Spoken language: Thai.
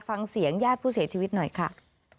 ฟังเสียงญาติผู้เสียชีวิตหน่อยค่ะ